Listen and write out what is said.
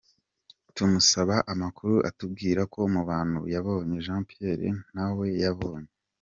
Tumusaba amakuru atubwira ko mu bantu yabonye Jean Pierre ntawe yabonye.